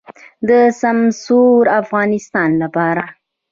د سمسور افغانستان لپاره.